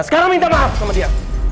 sekarang minta maaf sama dia